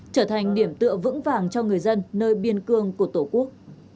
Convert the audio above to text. trở thành điểm tựa vững vàng cho người dân nơi biên cương của tổ quốc